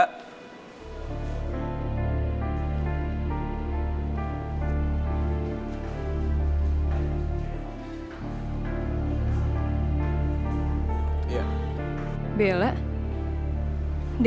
aku harus minta yang terakhir